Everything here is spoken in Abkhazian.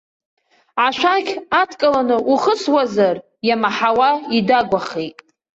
Ашәақь адкыланы ухысуазар иамаҳауа идагәахеит.